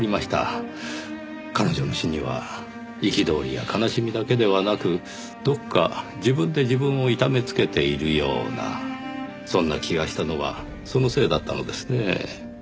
彼女の詩には憤りや悲しみだけではなくどこか自分で自分を痛めつけているようなそんな気がしたのはそのせいだったのですねぇ。